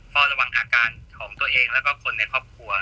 เฝ้าระวังอาการของตัวเองแล้วก็คนในครอบครัว